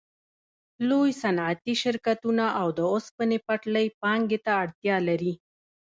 لوی صنعتي شرکتونه او د اوسپنې پټلۍ پانګې ته اړتیا لري